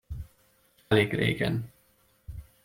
Elég régen.